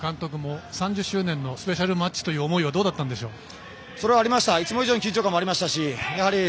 選手も監督も３０周年のスペシャルマッチという思いはどうだったんでしょうか？